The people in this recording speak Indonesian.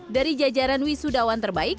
dari jajaran wisudawan terbaik